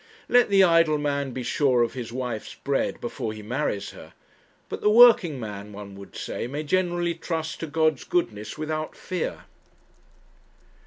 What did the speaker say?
Let the idle man be sure of his wife's bread before he marries her; but the working man, one would say, may generally trust to God's goodness without fear.